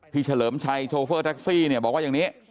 เฉลิมชัยโชเฟอร์แท็กซี่เนี่ยบอกว่าอย่างนี้